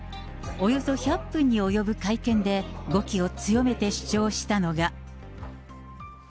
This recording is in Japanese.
およそ１００分に及ぶ会見で語気を強めて主張したのが。